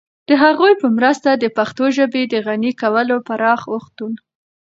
د هغوی په مرسته د پښتو ژبې د غني کولو پراخ اوښتون